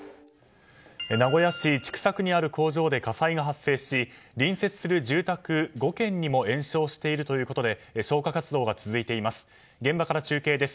名古屋市千種区にある工場で火災が発生し隣接する住宅５軒にも延焼しているということで消火活動が続いています。